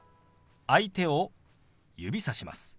相手を指さします。